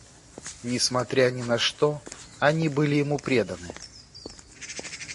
Несмотря ни на что, они были ему преданы.